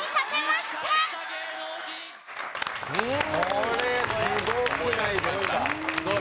これすごくないですか？